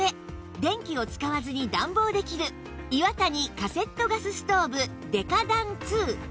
電気を使わずに暖房できるイワタニカセットガスストーブデカ暖 Ⅱ